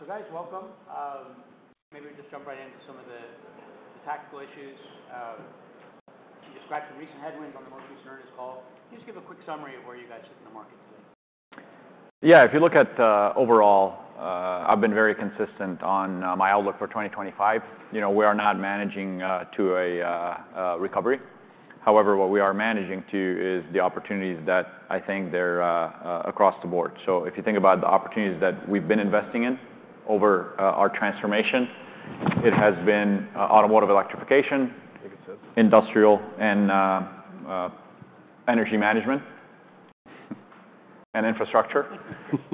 So guys, welcome. Maybe we just jump right into some of the tactical issues. You described some recent headwinds on the most recent earnings call. Can you just give a quick summary of where you guys sit in the market today? Yeah. If you look at overall, I've been very consistent on my outlook for 2025. You know, we are not managing to a recovery. However, what we are managing to is the opportunities that I think they're across the board. So if you think about the opportunities that we've been investing in over our transformation, it has been automotive electrification, industrial, and energy management, and infrastructure.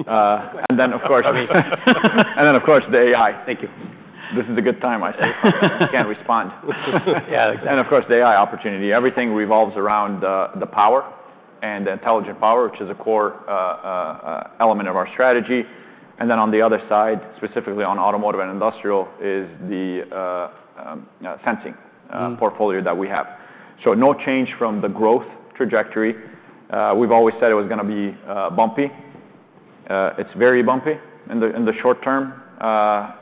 And then, of course, I mean, and then, of course, the AI. Thank you. This is a good time, I say. I can't respond. Yeah, that's good. Of course, the AI opportunity. Everything revolves around the power and the intelligent power, which is a core element of our strategy. Then on the other side, specifically on automotive and industrial, is the sensing portfolio that we have. No change from the growth trajectory. We've always said it was gonna be bumpy. It's very bumpy in the short term,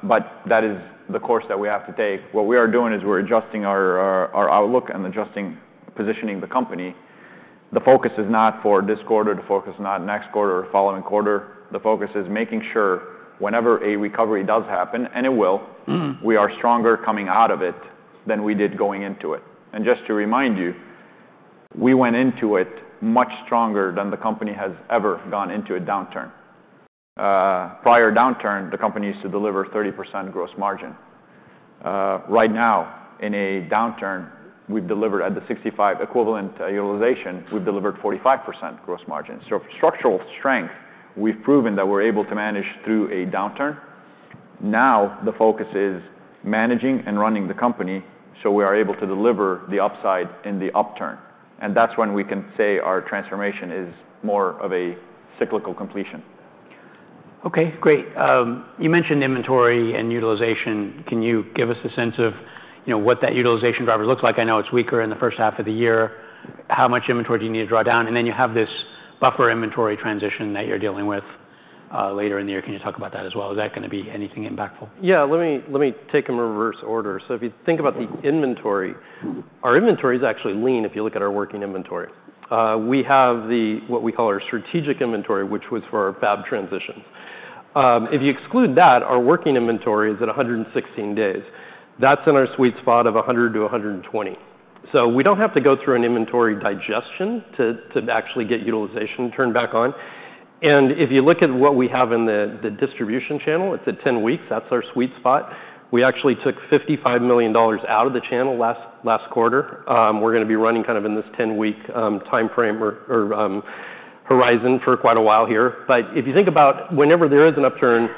but that is the course that we have to take. What we are doing is we're adjusting our outlook and adjusting positioning the company. The focus is not for this quarter. The focus is not next quarter or following quarter. The focus is making sure whenever a recovery does happen, and it will, we are stronger coming out of it than we did going into it. And just to remind you, we went into it much stronger than the company has ever gone into a downturn. Prior downturn, the company used to deliver 30% gross margin. Right now, in a downturn, we've delivered at the 65 equivalent utilization. We've delivered 45% gross margin. So structural strength, we've proven that we're able to manage through a downturn. Now the focus is managing and running the company so we are able to deliver the upside in the upturn. And that's when we can say our transformation is more of a cyclical completion. Okay. Great. You mentioned inventory and utilization. Can you give us a sense of, you know, what that utilization driver looks like? I know it's weaker in the first half of the year. How much inventory do you need to draw down? And then you have this buffer inventory transition that you're dealing with, later in the year. Can you talk about that as well? Is that gonna be anything impactful? Yeah. Let me, let me take them in reverse order. So if you think about the inventory, our inventory is actually lean if you look at our working inventory. We have the what we call our strategic inventory, which was for our fab transitions. If you exclude that, our working inventory is at 116 days. That's in our sweet spot of 100-120. So we don't have to go through an inventory digestion to, to actually get utilization turned back on. And if you look at what we have in the, the distribution channel, it's at 10 weeks. That's our sweet spot. We actually took $55 million out of the channel last, last quarter. We're gonna be running kind of in this 10-week timeframe or, or, horizon for quite a while here. But if you think about whenever there is an upturn,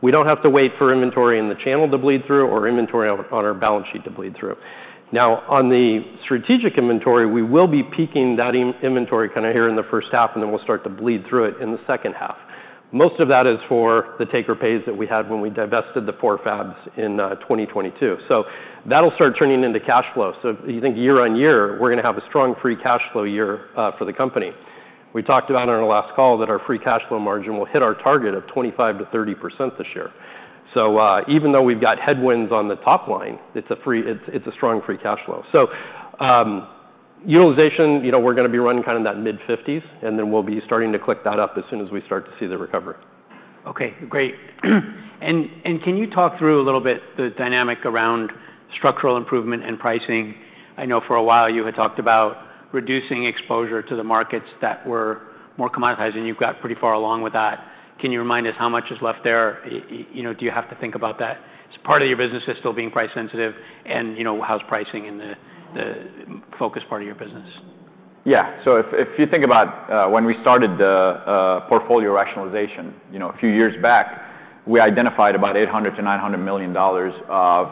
we don't have to wait for inventory in the channel to bleed through or inventory on our balance sheet to bleed through. Now, on the strategic inventory, we will be peaking that inventory kinda here in the first half, and then we'll start to bleed through it in the second half. Most of that is for the take-or-pays that we had when we divested the four fabs in 2022. So that'll start turning into cash flow. So you think year on year, we're gonna have a strong free cash flow year for the company. We talked about on our last call that our free cash flow margin will hit our target of 25%-30% this year. So even though we've got headwinds on the top line, it's a strong free cash flow. Utilization, you know, we're gonna be running kinda in that mid-50s, and then we'll be starting to click that up as soon as we start to see the recovery. Okay. Great. And can you talk through a little bit the dynamic around structural improvement and pricing? I know for a while you had talked about reducing exposure to the markets that were more commoditized, and you've got pretty far along with that. Can you remind us how much is left there? You know, do you have to think about that? Is part of your business still being price sensitive? And, you know, how's pricing in the focus part of your business? Yeah. So if you think about when we started the portfolio rationalization, you know, a few years back, we identified about $800 million-$900 million of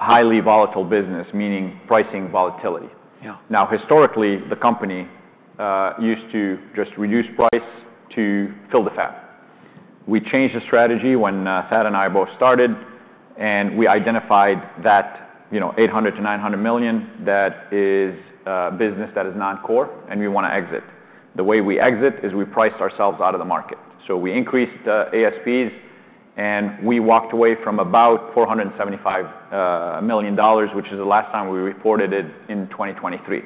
highly volatile business, meaning pricing volatility. Yeah. Now, historically, the company used to just reduce price to fill the fab. We changed the strategy when Thad and I both started, and we identified that, you know, $800 million-$900 million, that is business that is non-core, and we wanna exit. The way we exit is we priced ourselves out of the market. So we increased ASPs, and we walked away from about $475 million, which is the last time we reported it in 2023.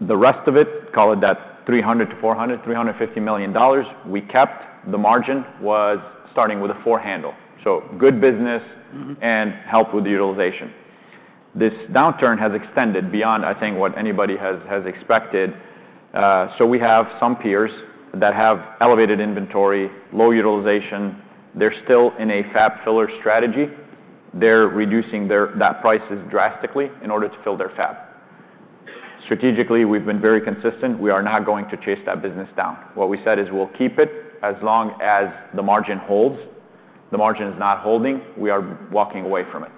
The rest of it, call it that $300 million-$400 million, $350 million, we kept. The margin was starting with a four handle. So good business. Mm-hmm. This helps with utilization. This downturn has extended beyond, I think, what anybody has expected. So we have some peers that have elevated inventory, low utilization. They're still in a fab filler strategy. They're reducing their prices drastically in order to fill their fab. Strategically, we've been very consistent. We are not going to chase that business down. What we said is we'll keep it as long as the margin holds. The margin is not holding. We are walking away from it.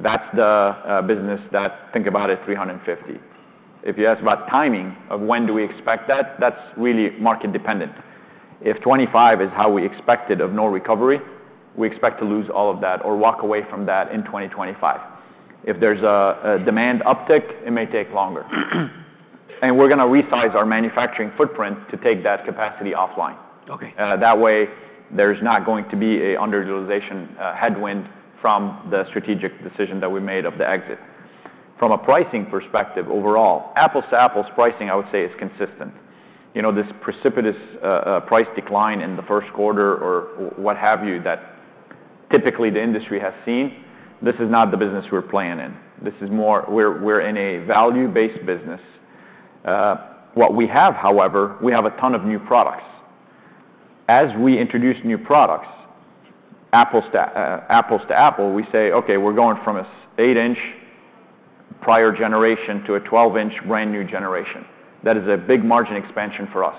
That's the business that, think about it, $350 million. If you ask about timing of when do we expect that, that's really market dependent. If 2025 is how we expected of no recovery, we expect to lose all of that or walk away from that in 2025. If there's a demand uptick, it may take longer. We're gonna resize our manufacturing footprint to take that capacity offline. Okay. That way, there's not going to be an underutilization headwind from the strategic decision that we made of the exit. From a pricing perspective, overall, apples to apples pricing, I would say, is consistent. You know, this precipitous price decline in the first quarter or what have you that typically the industry has seen, this is not the business we're playing in. This is more we're in a value-based business. What we have, however, we have a ton of new products. As we introduce new products, apples to apples, we say, "Okay, we're going from an eight-inch prior generation to a 12-inch brand new generation." That is a big margin expansion for us.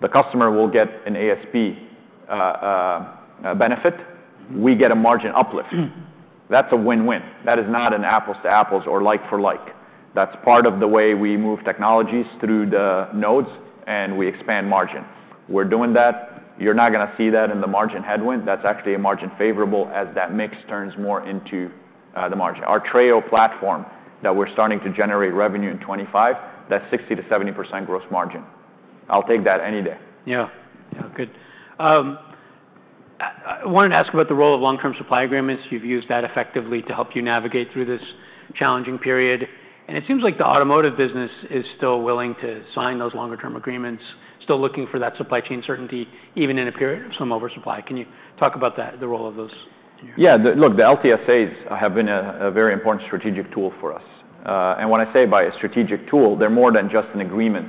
The customer will get an ASP benefit. We get a margin uplift. That's a win-win. That is not an apples to apples or like for like. That's part of the way we move technologies through the nodes, and we expand margin. We're doing that. You're not gonna see that in the margin headwind. That's actually a margin favorable as that mix turns more into, the margin. Our Treo Platform that we're starting to generate revenue in 2025, that's 60%-70% gross margin. I'll take that any day. I wanted to ask about the role of long-term supply agreements. You've used that effectively to help you navigate through this challenging period. And it seems like the automotive business is still willing to sign those longer-term agreements, still looking for that supply chain certainty even in a period of some oversupply. Can you talk about that, the role of those? Yeah. Look, the LTSAs have been a very important strategic tool for us, and when I say it's a strategic tool, they're more than just an agreement.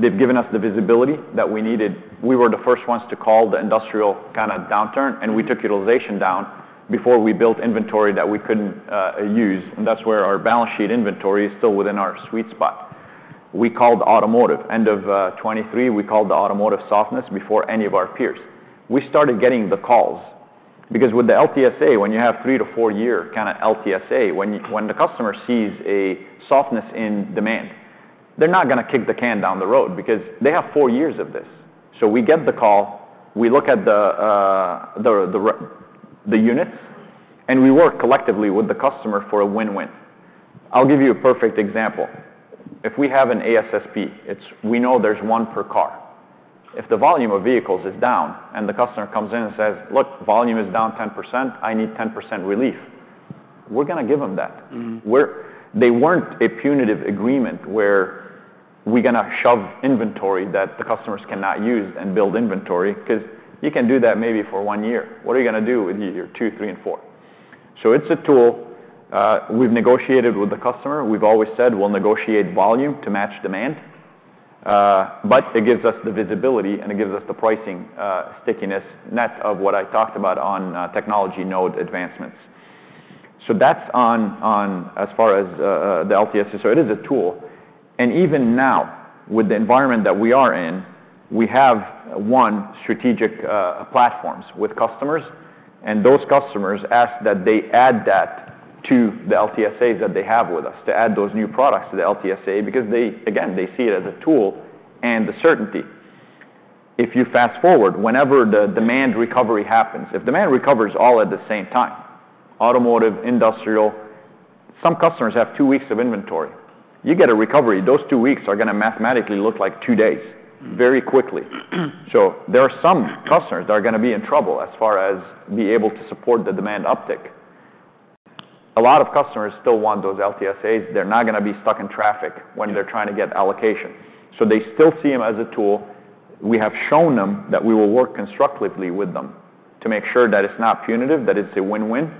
They've given us the visibility that we needed. We were the first ones to call the industrial kind of downturn, and we took utilization down before we built inventory that we couldn't use, and that's where our balance sheet inventory is still within our sweet spot. We called automotive end of 2023; we called the automotive softness before any of our peers. We started getting the calls because with the LTSA, when you have three- to four-year kind of LTSA, when the customer sees a softness in demand, they're not gonna kick the can down the road because they have four years of this, so we get the call. We look at the units, and we work collectively with the customer for a win-win. I'll give you a perfect example. If we have an ASSP, it's we know there's one per car. If the volume of vehicles is down and the customer comes in and says, "Look, volume is down 10%. I need 10% relief," we're gonna give them that. Mm-hmm. They weren't a punitive agreement where we're gonna shove inventory that the customers cannot use and build inventory 'cause you can do that maybe for one year. What are you gonna do with your two, three, and four? So it's a tool. We've negotiated with the customer. We've always said we'll negotiate volume to match demand. But it gives us the visibility, and it gives us the pricing stickiness net of what I talked about on technology node advancements. So that's onsemi as far as the LTSA. So it is a tool. And even now, with the environment that we are in, we have one strategic platform with customers. And those customers ask that they add that to the LTSAs that they have with us, to add those new products to the LTSA because they, again, they see it as a tool and the certainty. If you fast forward, whenever the demand recovery happens, if demand recovers all at the same time, automotive, industrial, some customers have two weeks of inventory. You get a recovery. Those two weeks are gonna mathematically look like two days very quickly. So there are some customers that are gonna be in trouble as far as being able to support the demand uptick. A lot of customers still want those LTSAs. They're not gonna be stuck in traffic when they're trying to get allocation. So they still see them as a tool. We have shown them that we will work constructively with them to make sure that it's not punitive, that it's a win-win.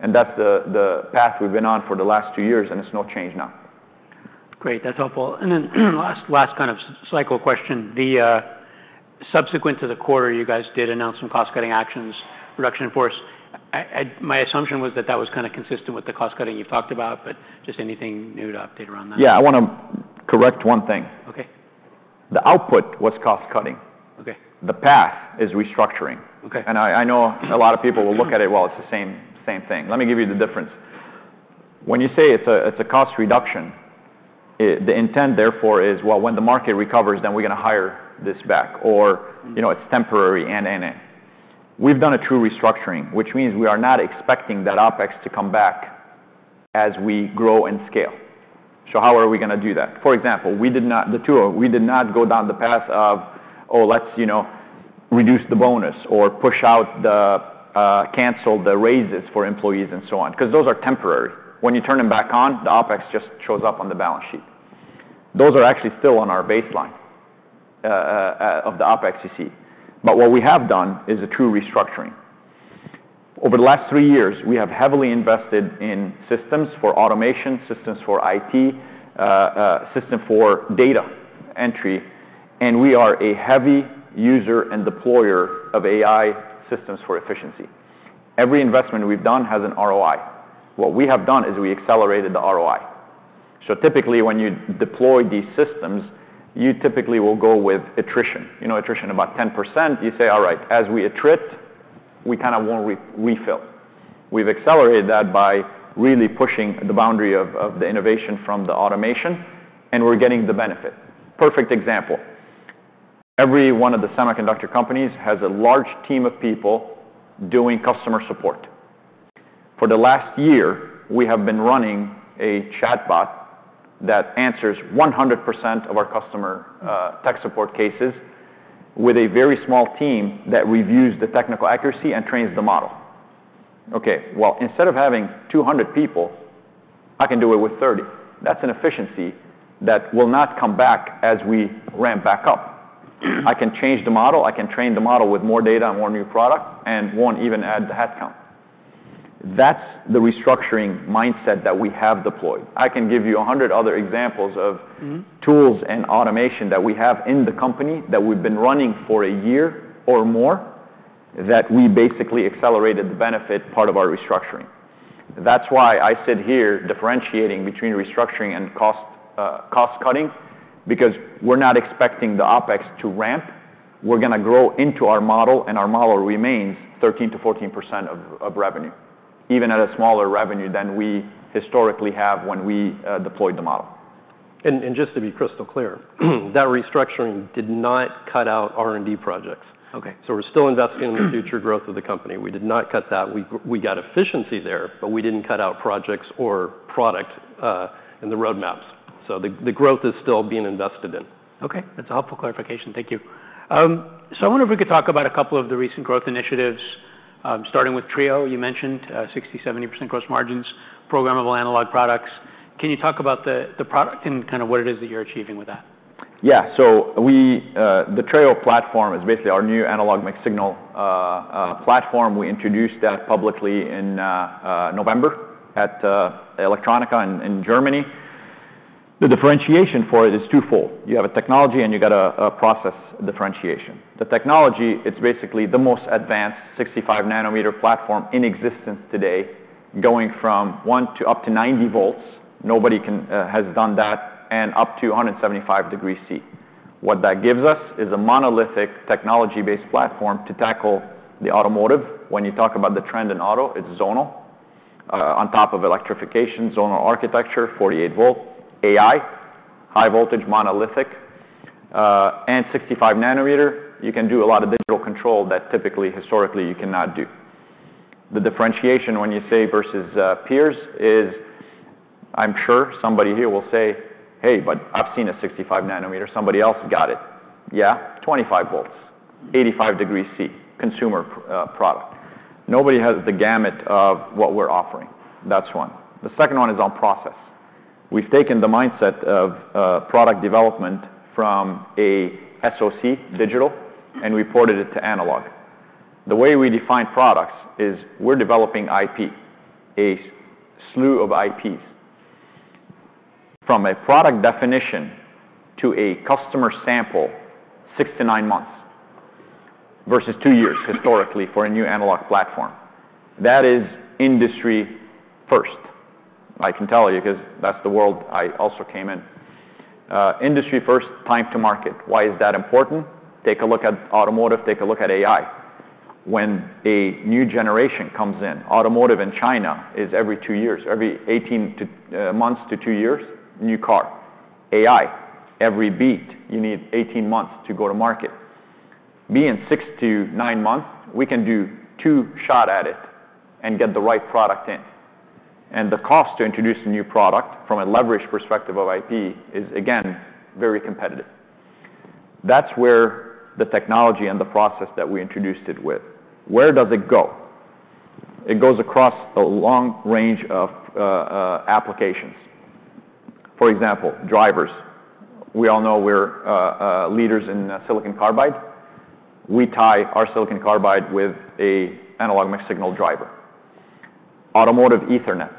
And that's the path we've been on for the last two years, and it's no change now. Great. That's helpful. And then last kind of cyclical question. Subsequent to the quarter, you guys did announce some cost-cutting actions, production force. My assumption was that that was kinda consistent with the cost-cutting you talked about, but just anything new to update around that? Yeah. I wanna correct one thing. Okay. The output was cost-cutting. Okay. The path is restructuring. Okay. I know a lot of people will look at it, "Well, it's the same, same thing." Let me give you the difference. When you say it's a, it's a cost reduction, it's the intent therefore is, "Well, when the market recovers, then we're gonna hire this back," or, you know, "It's temporary and, and, and." We've done a true restructuring, which means we are not expecting that OpEx to come back as we grow and scale. How are we gonna do that? For example, we did not go down the path of, "Oh, let's, you know, reduce the bonus or push out the, cancel the raises for employees and so on," 'cause those are temporary. When you turn them back on, the OpEx just shows up on the balance sheet. Those are actually still on our baseline of the OpEx you see. But what we have done is a true restructuring. Over the last three years, we have heavily invested in systems for automation, systems for IT, system for data entry. And we are a heavy user and deployer of AI systems for efficiency. Every investment we've done has an ROI. What we have done is we accelerated the ROI. So typically, when you deploy these systems, you typically will go with attrition. You know, attrition about 10%. You say, "All right. As we attrit, we kinda won't refill." We've accelerated that by really pushing the boundary of the innovation from the automation, and we're getting the benefit. Perfect example. Every one of the semiconductor companies has a large team of people doing customer support. For the last year, we have been running a chatbot that answers 100% of our customer tech support cases with a very small team that reviews the technical accuracy and trains the model. Okay. Well, instead of having 200 people, I can do it with 30. That's an efficiency that will not come back as we ramp back up. I can change the model. I can train the model with more data and more new product and won't even add the headcount. That's the restructuring mindset that we have deployed. I can give you 100 other examples of. Mm-hmm. Tools and automation that we have in the company that we've been running for a year or more that we basically accelerated the benefit part of our restructuring. That's why I sit here differentiating between restructuring and cost, cost-cutting because we're not expecting the OpEx to ramp. We're gonna grow into our model, and our model remains 13%-14% of, of revenue, even at a smaller revenue than we historically have when we, deployed the model. Just to be crystal clear, that restructuring did not cut out R&D projects. Okay. So we're still investing in the future growth of the company. We did not cut that. We, we got efficiency there, but we didn't cut out projects or product, in the roadmaps. So the growth is still being invested in. Okay. That's a helpful clarification. Thank you. So I wonder if we could talk about a couple of the recent growth initiatives, starting with Treo. You mentioned 60%-70% gross margins, programmable analog products. Can you talk about the product and kinda what it is that you're achieving with that? Yeah. So, the Treo Platform is basically our new analog mixed-signal platform. We introduced that publicly in November at Electronica in Germany. The differentiation for it is twofold. You have a technology, and you got a process differentiation. The technology, it's basically the most advanced 65-nanometer platform in existence today, going from 1 to up to 90 volts. Nobody has done that, and up to 175 degrees Celsius. What that gives us is a monolithic technology-based platform to tackle the automotive. When you talk about the trend in auto, it's zonal, on top of electrification, zonal architecture, 48-volt AI, high voltage, monolithic, and 65-nanometer. You can do a lot of digital control that typically, historically, you cannot do. The differentiation when you say versus peers is I'm sure somebody here will say, "Hey, but I've seen a 65-nanometer. Somebody else got it." Yeah. 25 volts, 85 degrees Celsius, consumer product. Nobody has the gamut of what we're offering. That's one. The second one is on process. We've taken the mindset of product development from a SoC, digital, and we ported it to analog. The way we define products is we're developing IP, a slew of IPs, from a product definition to a customer sample, six to nine months versus two years historically for a new analog platform. That is industry first. I can tell you 'cause that's the world I also came in. Industry first, time to market. Why is that important? Take a look at automotive. Take a look at AI. When a new generation comes in, automotive in China is every two years, every 18 months to two years, new car. AI, every beat, you need 18 months to go to market. Being six to nine months, we can do two shots at it and get the right product in. And the cost to introduce a new product from a leverage perspective of IP is, again, very competitive. That's where the technology and the process that we introduced it with. Where does it go? It goes across a long range of applications. For example, drivers. We all know we're leaders in silicon carbide. We tie our silicon carbide with an analog mixed-signal driver. Automotive Ethernet,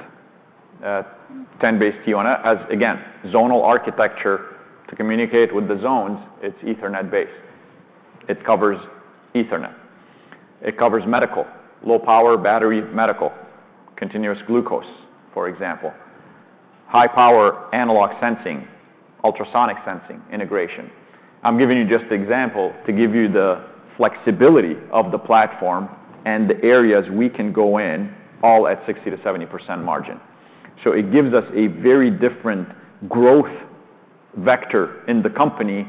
10BASE-T1, as again, zonal architecture to communicate with the zones. It's Ethernet-based. It covers Ethernet. It covers medical, low-power battery, medical, continuous glucose, for example, high-power analog sensing, ultrasonic sensing integration. I'm giving you just the example to give you the flexibility of the platform and the areas we can go in all at 60%-70% margin. It gives us a very different growth vector in the company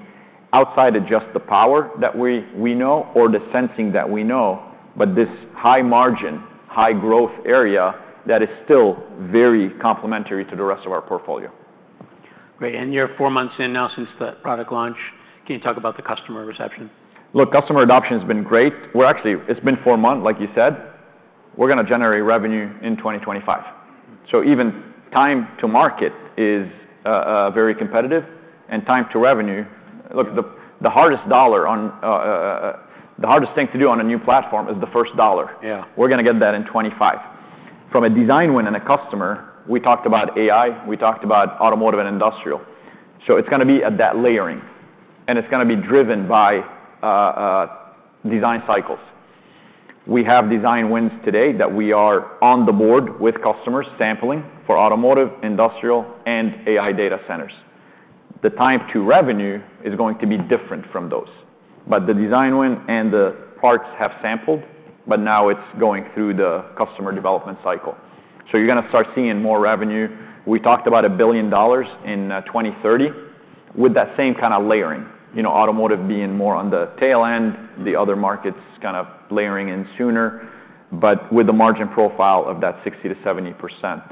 outside of just the power that we know or the sensing that we know, but this high margin, high growth area that is still very complementary to the rest of our portfolio. Great. You're four months in now since the product launch. Can you talk about the customer reception? Look, customer adoption has been great. We're actually it's been four months, like you said. We're gonna generate revenue in 2025. So even time to market is very competitive. And time to revenue, look, the hardest thing to do on a new platform is the first dollar. Yeah. We're gonna get that in 2025. From a design win and a customer, we talked about AI. We talked about automotive and industrial. So it's gonna be at that layering, and it's gonna be driven by design cycles. We have design wins today that we are on the board with customers sampling for automotive, industrial, and AI data centers. The time to revenue is going to be different from those. But the design win and the parts have sampled, but now it's going through the customer development cycle. So you're gonna start seeing more revenue. We talked about $1 billion in 2030 with that same kinda layering, you know, automotive being more on the tail end, the other markets kinda layering in sooner, but with the margin profile of that 60%-70%.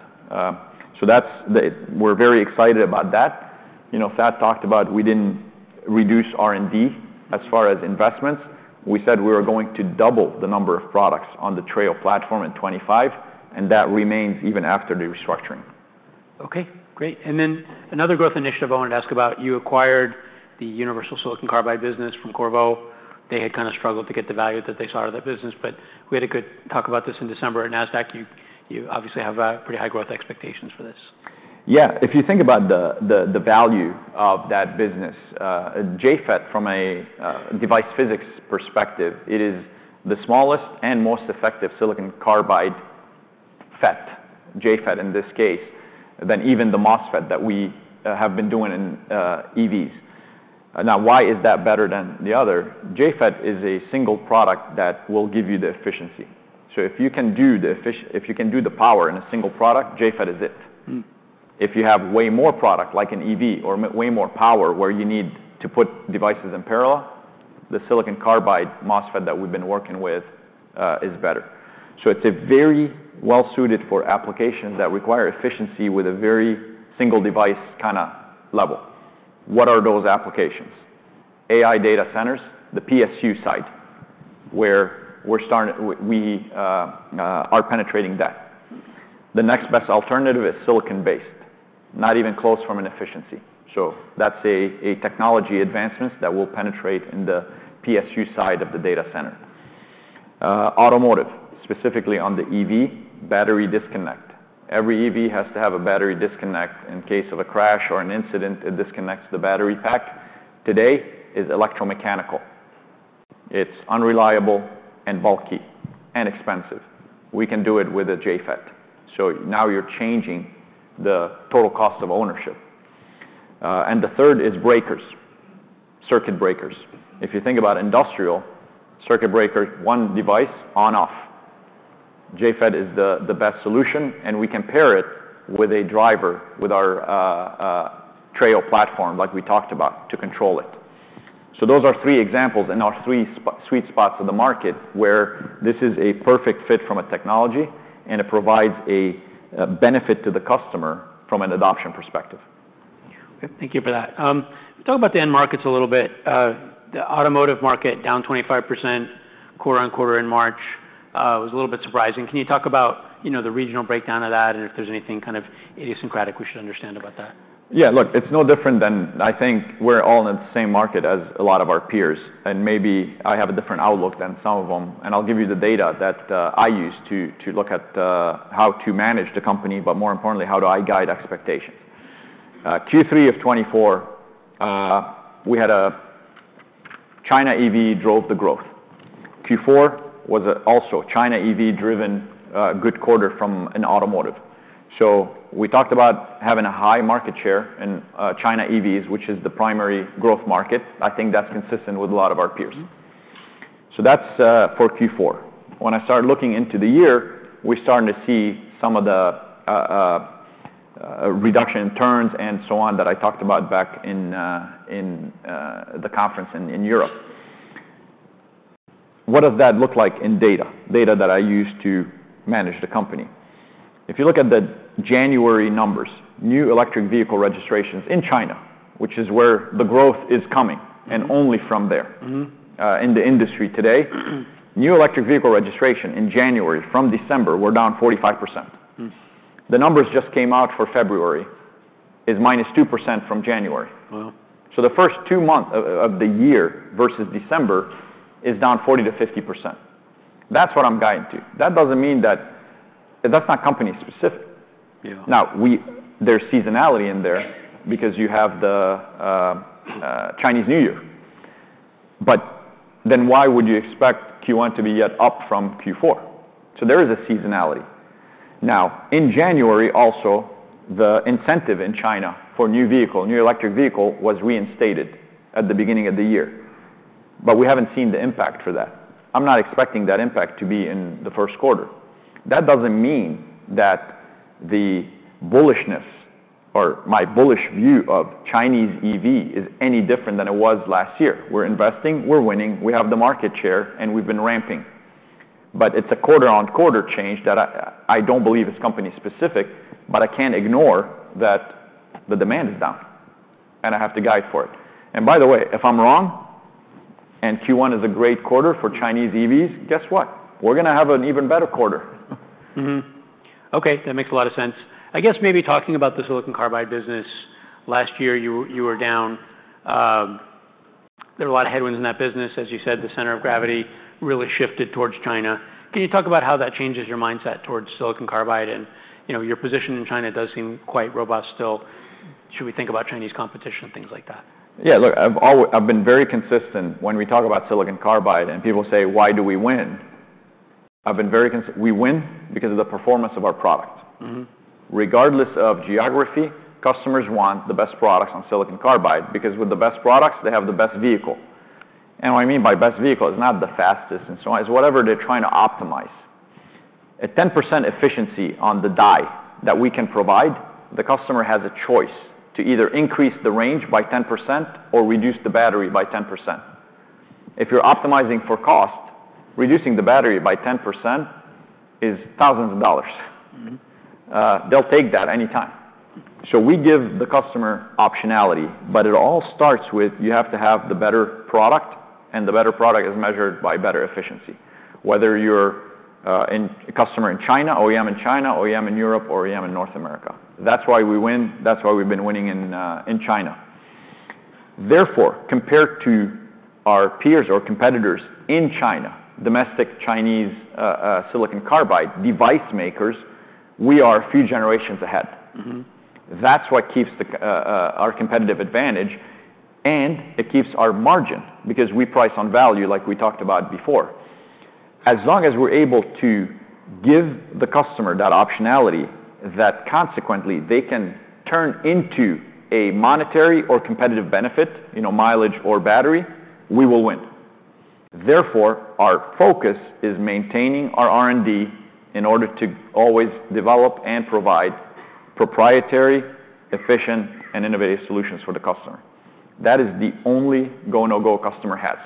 So that's the we're very excited about that. You know, Thad talked about we didn't reduce R&D as far as investments. We said we were going to double the number of products on the Treo Platform in 2025, and that remains even after the restructuring. Okay. Great. And then another growth initiative I wanted to ask about. You acquired the Universal Silicon Carbide business from Qorvo. They had kinda struggled to get the value that they saw out of that business, but we had a good talk about this in December at NASDAQ. You obviously have pretty high growth expectations for this. Yeah. If you think about the value of that business, JFET from a device physics perspective, it is the smallest and most effective silicon carbide FET, JFET in this case, than even the MOSFET that we have been doing in EVs. Now, why is that better than the other? JFET is a single product that will give you the efficiency. So if you can do the power in a single product, JFET is it. If you have way more product like an EV or way more power where you need to put devices in parallel, the silicon carbide MOSFET that we've been working with is better. So it's very well-suited for applications that require efficiency with a very single device kinda level. What are those applications? AI data centers, the PSU side, where we're starting, we are penetrating that. The next best alternative is silicon-based, not even close from an efficiency. So that's a technology advancement that will penetrate in the PSU side of the data center. Automotive, specifically on the EV, battery disconnect. Every EV has to have a battery disconnect in case of a crash or an incident. It disconnects the battery pack. Today is electromechanical. It's unreliable and bulky and expensive. We can do it with a JFET. So now you're changing the total cost of ownership, and the third is breakers, circuit breakers. If you think about industrial circuit breaker, one device on/off, JFET is the best solution, and we can pair it with a driver with our Treo Platform like we talked about to control it. So those are three examples and our three sweet spots of the market where this is a perfect fit from a technology, and it provides a benefit to the customer from an adoption perspective. Okay. Thank you for that. Talk about the end markets a little bit. The automotive market down 25% quarter on quarter in March. It was a little bit surprising. Can you talk about, you know, the regional breakdown of that and if there's anything kind of idiosyncratic we should understand about that? Yeah. Look, it's no different than I think we're all in the same market as a lot of our peers, and maybe I have a different outlook than some of them. I'll give you the data that I use to look at how to manage the company, but more importantly, how do I guide expectations. Q3 of 2024, we had a China EV drove the growth. Q4 was also China EV driven, good quarter from an automotive. So we talked about having a high market share in China EVs, which is the primary growth market. I think that's consistent with a lot of our peers. So that's for Q4. When I started looking into the year, we're starting to see some of the reduction in turns and so on that I talked about back in the conference in Europe. What does that look like in data? Data that I use to manage the company. If you look at the January numbers, new electric vehicle registrations in China, which is where the growth is coming and only from there. Mm-hmm. In the industry today, new electric vehicle registration in January from December, we're down 45%. The numbers just came out for February is minus 2% from January. Wow. The first two months of the year versus December is down 40%-50%. That's what I'm guiding to. That doesn't mean that that's not company specific. Yeah. Now, there's seasonality in there because you have the Chinese New Year. But then why would you expect Q1 to be yet up from Q4? So there is a seasonality. Now, in January also, the incentive in China for new vehicle, new electric vehicle was reinstated at the beginning of the year, but we haven't seen the impact for that. I'm not expecting that impact to be in the first quarter. That doesn't mean that the bullishness or my bullish view of Chinese EV is any different than it was last year. We're investing. We're winning. We have the market share, and we've been ramping. But it's a quarter on quarter change that I don't believe is company specific, but I can't ignore that the demand is down, and I have to guide for it. By the way, if I'm wrong and Q1 is a great quarter for Chinese EVs, guess what? We're gonna have an even better quarter. Mm-hmm. Okay. That makes a lot of sense. I guess maybe talking about the silicon carbide business, last year you were down, there were a lot of headwinds in that business. As you said, the center of gravity really shifted towards China. Can you talk about how that changes your mindset towards silicon carbide? And, you know, your position in China does seem quite robust still. Should we think about Chinese competition and things like that? Yeah. Look, I've always been very consistent when we talk about silicon carbide and people say, "Why do we win?" We win because of the performance of our product. Mm-hmm. Regardless of geography, customers want the best products on silicon carbide because with the best products, they have the best vehicle. And what I mean by best vehicle is not the fastest and so on. It's whatever they're trying to optimize. At 10% efficiency on the die that we can provide, the customer has a choice to either increase the range by 10% or reduce the battery by 10%. If you're optimizing for cost, reducing the battery by 10% is thousands of dollars. Mm-hmm. They'll take that anytime, so we give the customer optionality, but it all starts with you have to have the better product, and the better product is measured by better efficiency, whether you're a customer in China, OEM in China, OEM in Europe, or OEM in North America. That's why we win. That's why we've been winning in China. Therefore, compared to our peers or competitors in China, domestic Chinese silicon carbide device makers, we are a few generations ahead. Mm-hmm. That's what keeps our competitive advantage, and it keeps our margin because we price on value like we talked about before. As long as we're able to give the customer that optionality, that consequently they can turn into a monetary or competitive benefit, you know, mileage or battery, we will win. Therefore, our focus is maintaining our R&D in order to always develop and provide proprietary, efficient, and innovative solutions for the customer. That is the only go/no-go customer has.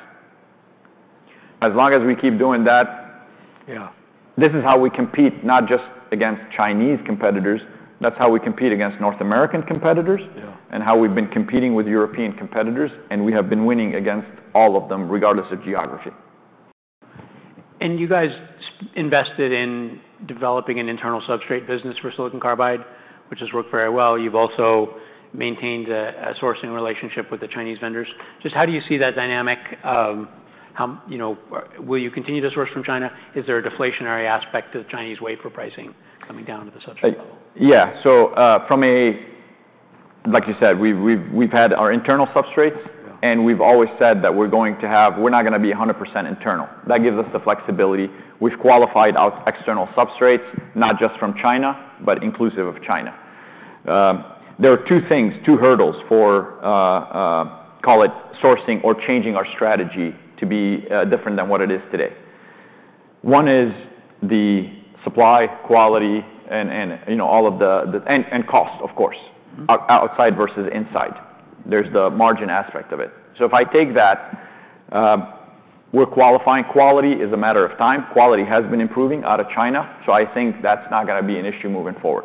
As long as we keep doing that. Yeah. This is how we compete, not just against Chinese competitors. That's how we compete against North American competitors. Yeah. How we've been competing with European competitors, and we have been winning against all of them regardless of geography. You guys invested in developing an internal substrate business for silicon carbide, which has worked very well. You've also maintained a sourcing relationship with the Chinese vendors. Just how do you see that dynamic? How, you know, will you continue to source from China? Is there a deflationary aspect to the Chinese way for pricing coming down to the substrate level? Yeah. From a, like you said, we've had our internal substrates. Yeah. And we've always said that we're going to have we're not gonna be 100% internal. That gives us the flexibility. We've qualified out external substrates, not just from China, but inclusive of China. There are two things, two hurdles for, call it sourcing or changing our strategy to be, different than what it is today. One is the supply quality and, you know, all of the cost, of course. Mm-hmm. Outside versus inside. There's the margin aspect of it. So if I take that, we're qualifying, quality is a matter of time. Quality has been improving out of China, so I think that's not gonna be an issue moving forward.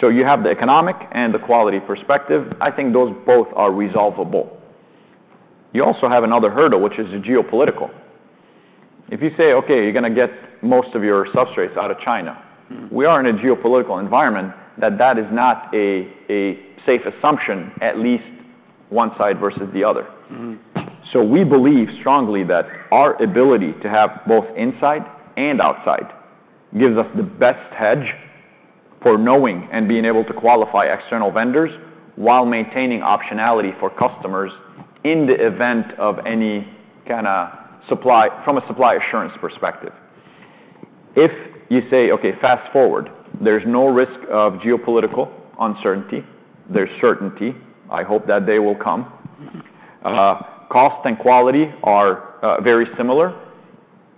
So you have the economic and the quality perspective. I think those both are resolvable. You also have another hurdle, which is the geopolitical. If you say, "Okay, you're gonna get most of your substrates out of China." We are in a geopolitical environment that is not a safe assumption, at least one side versus the other. Mm-hmm. So we believe strongly that our ability to have both inside and outside gives us the best hedge for knowing and being able to qualify external vendors while maintaining optionality for customers in the event of any kinda supply from a supply assurance perspective. If you say, "Okay, fast forward, there's no risk of geopolitical uncertainty. There's certainty. I hope that day will come. Mm-hmm. Cost and quality are very similar,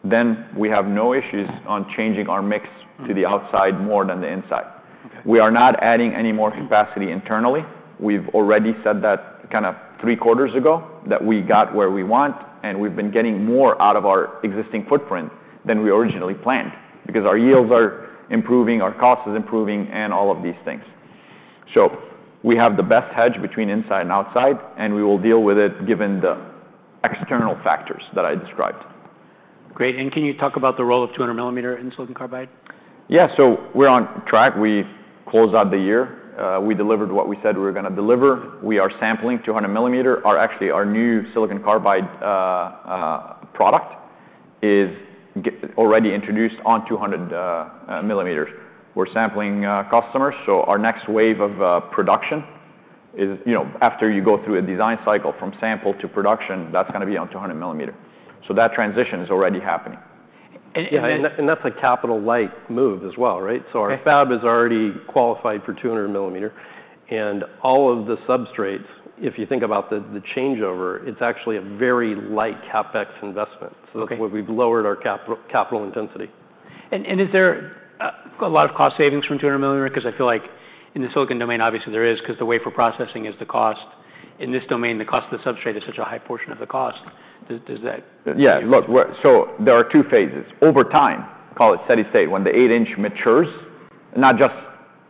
then we have no issues on changing our mix to the outside more than the inside. Okay. We are not adding any more capacity internally. We've already said that kinda three quarters ago that we got where we want, and we've been getting more out of our existing footprint than we originally planned because our yields are improving, our cost is improving, and all of these things. So we have the best hedge between inside and outside, and we will deal with it given the external factors that I described. Great. And can you talk about the role of 200 millimeter in silicon carbide? Yeah, so we're on track. We close out the year. We delivered what we said we were gonna deliver. We are sampling 200 millimeter. Actually, our new silicon carbide product is already introduced on 200 millimeters. We're sampling customers. Our next wave of production is, you know, after you go through a design cycle from sample to production, that's gonna be on 200 millimeter. That transition is already happening. That's a capital light move as well, right? Yes. Our fab is already qualified for 200 millimeter, and all of the substrates, if you think about the changeover, it's actually a very light CapEx investment. Okay. So it's what we've lowered our capital intensity. And is there a lot of cost savings from 200 millimeter? 'Cause I feel like in the silicon domain, obviously there is 'cause the wafer processing is the cost. In this domain, the cost of the substrate is such a high portion of the cost. Does that? Yeah. Look, we're so there are two phases. Over time, call it steady state, when the eight-inch matures, not just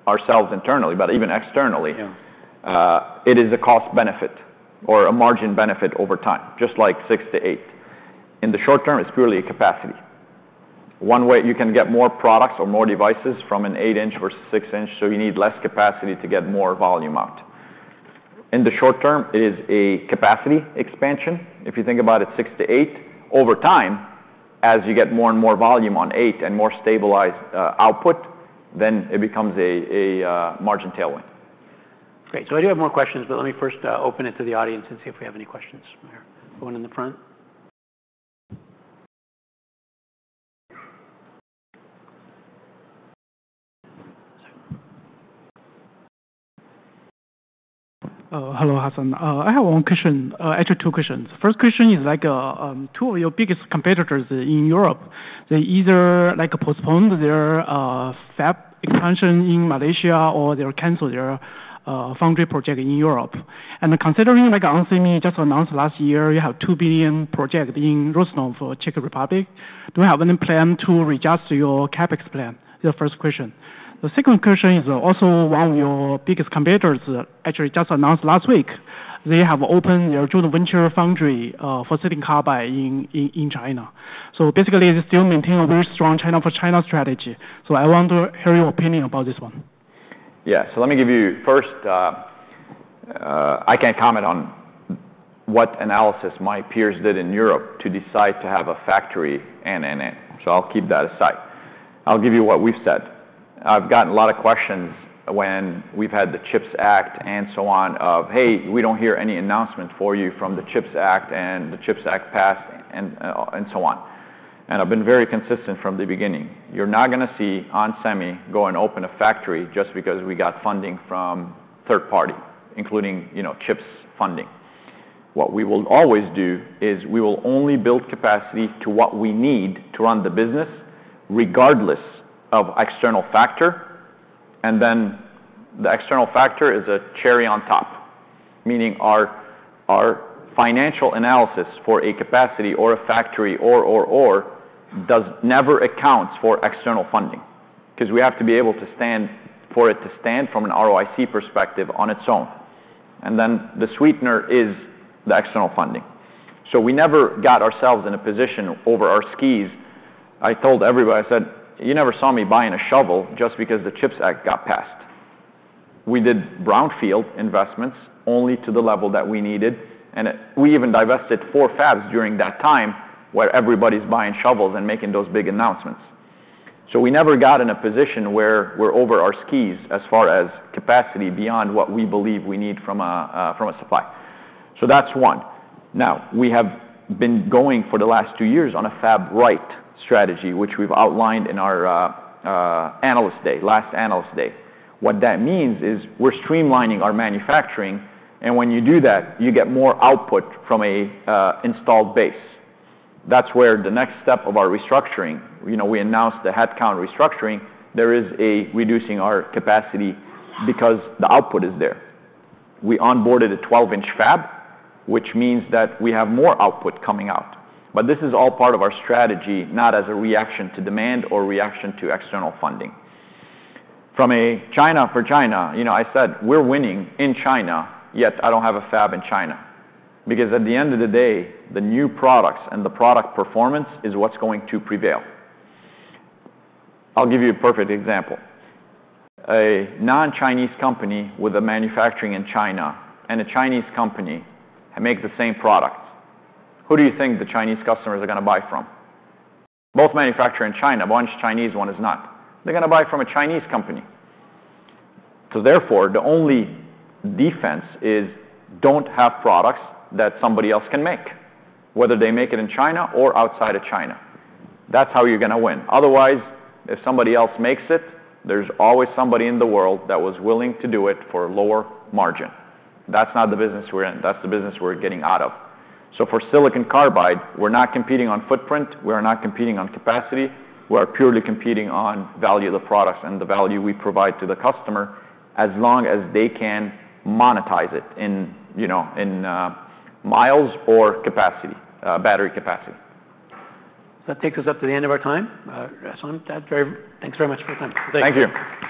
ourselves internally, but even externally. Yeah. It is a cost benefit or a margin benefit over time, just like six to eight. In the short term, it's purely a capacity. One way you can get more products or more devices from an eight-inch versus six-inch, so you need less capacity to get more volume out. In the short term, it is a capacity expansion. If you think about it, six to eight, over time, as you get more and more volume on eight and more stabilized output, then it becomes a margin tailwind. Great. So I do have more questions, but let me first open it to the audience and see if we have any questions here. One in the front. Hello, Hassane. I have one question, actually two questions. First question is like, two of your biggest competitors in Europe, they either like postpone their fab expansion in Malaysia or they'll cancel their foundry project in Europe, and considering like onsemi just announced last year you have $2 billion project in Rožnov, Czech Republic, do you have any plan to readjust your CapEx plan? The first question. The second question is also one of your biggest competitors actually just announced last week. They have opened their joint venture foundry for silicon carbide in China, so basically, they still maintain a very strong China for China strategy, so I want to hear your opinion about this one. Yeah. So let me give you first, I can't comment on what analysis my peers did in Europe to decide to have a factory and. So I'll keep that aside. I'll give you what we've said. I've gotten a lot of questions when we've had the CHIPS Act and so on of, "Hey, we don't hear any announcement for you from the CHIPS Act, and the CHIPS Act passed," and so on. And I've been very consistent from the beginning. You're not gonna see onsemi go and open a factory just because we got funding from third party, including, you know, CHIPS funding. What we will always do is we will only build capacity to what we need to run the business regardless of external factor. And then the external factor is a cherry on top, meaning our financial analysis for a capacity or a factory or does never accounts for external funding 'cause we have to be able to stand for it to stand from an ROIC perspective on its own. And then the sweetener is the external funding. So we never got ourselves in a position over our skis. I told everybody, I said, "You never saw me buying a shovel just because the CHIPS Act got passed." We did brownfield investments only to the level that we needed, and we even divested four fabs during that time where everybody's buying shovels and making those big announcements. So we never got in a position where we're over our skis as far as capacity beyond what we believe we need from a supply. So that's one. Now, we have been going for the last two years on a fab-lite strategy, which we've outlined in our Analyst Day, last Analyst Day. What that means is we're streamlining our manufacturing, and when you do that, you get more output from an installed base. That's where the next step of our restructuring, you know, we announced the headcount restructuring, there is a reducing our capacity because the output is there. We onboarded a 12-inch fab, which means that we have more output coming out. But this is all part of our strategy, not as a reaction to demand or reaction to external funding. From a China-for-China, you know, I said, "We're winning in China, yet I don't have a fab in China," because at the end of the day, the new products and the product performance is what's going to prevail. I'll give you a perfect example. A non-Chinese company with a manufacturing in China and a Chinese company makes the same product. Who do you think the Chinese customers are gonna buy from? Both manufacturer in China, one's Chinese, one is not. They're gonna buy from a Chinese company. So therefore, the only defense is don't have products that somebody else can make, whether they make it in China or outside of China. That's how you're gonna win. Otherwise, if somebody else makes it, there's always somebody in the world that was willing to do it for lower margin. That's not the business we're in. That's the business we're getting out of. So for silicon carbide, we're not competing on footprint. We are not competing on capacity. We are purely competing on value of the products and the value we provide to the customer as long as they can monetize it in, you know, miles or capacity, battery capacity. So that takes us up to the end of our time. Hassane, thank you very much for your time. Thanks. Thank you.